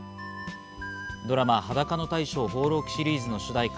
ドラマ『裸の大将放浪記』シリーズの主題歌